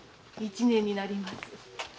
一年になります。